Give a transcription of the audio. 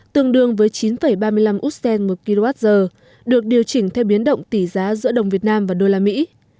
tương đương với chín ba mươi năm usd một kwh được điều chỉnh theo biến động tỷ giá giữa đồng việt nam và đô la mỹ